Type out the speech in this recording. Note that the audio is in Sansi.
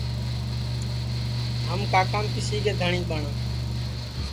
ہم کاکام کسی کے دھٹؔی ٻٹؔا